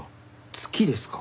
月ですか？